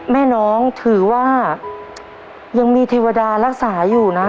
แม่น้องถือว่ายังมีเทวดารักษาอยู่นะ